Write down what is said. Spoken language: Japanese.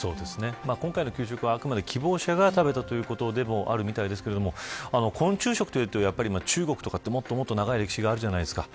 今回の給食はあくまで希望者が食べたということでもあるみたいですが昆虫食というと、中国とかはもっともっと長い歴史があるじゃないですか。